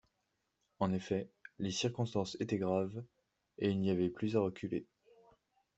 En effet, les circonstances étaient graves, et il n’y avait plus à reculer.